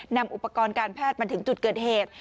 นำอุปกรณ์การแพทย์มาถึงจุดเกิดเหตุ